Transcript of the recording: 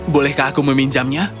bolehkah aku meminjamnya